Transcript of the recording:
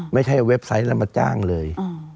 ไม่ใช่เว็บไซต์แล้วมาจ้างเลย